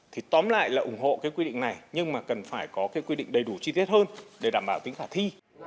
thì tóm lại là ủng hộ cái quy định này nhưng mà cần phải có cái quy định đầy đủ chi tiết hơn để đảm bảo tính khả thi